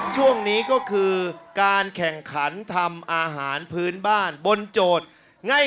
ช่วงนี้ก็คือการแข่งขันทำอาหารพื้นบ้านบนโจทย์